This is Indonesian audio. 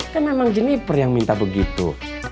kan memang jenniper yang minta begitu